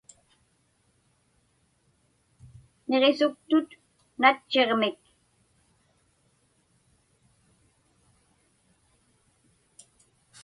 Niġisuktut natchiġnik.